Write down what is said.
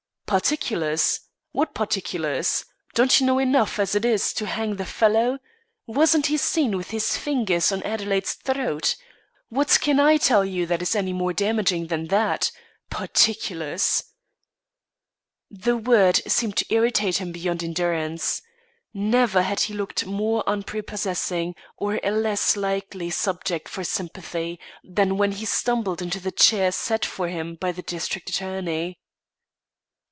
"Particulars? What particulars? Don't you know enough, as it is, to hang the fellow? Wasn't he seen with his fingers on Adelaide's throat? What can I tell you that is any more damaging than that? Particulars!" The word seemed to irritate him beyond endurance. Never had he looked more unprepossessing or a less likely subject for sympathy, than when he stumbled into the chair set for him by the district attorney.